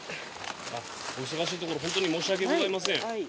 お忙しいところホントに申し訳ございません。